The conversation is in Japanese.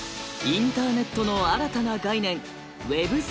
インターネットの新たな概念